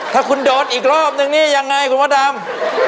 ถ้าคุณโดนอีกรอบนึงนี่ยังไงคุณพ่อดำ